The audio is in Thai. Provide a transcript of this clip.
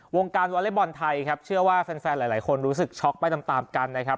วงการวอเล็กบอลไทยครับเชื่อว่าแฟนหลายคนรู้สึกช็อกไปตามตามกันนะครับ